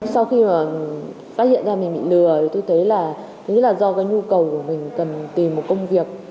sau khi phát hiện ra mình bị lừa tôi thấy là do nhu cầu của mình cần tìm một công việc